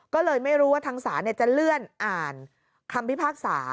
ก็เลยไม่รู้ว่าทางศาลจะเลื่อนอ่านคำพิพากษา